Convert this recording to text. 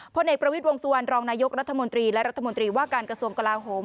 เอกประวิทย์วงสุวรรณรองนายกรัฐมนตรีและรัฐมนตรีว่าการกระทรวงกลาโหม